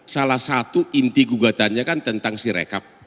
salah satu inti gugatannya kan tentang sirekap